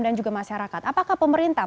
dan juga masyarakat apakah pemerintah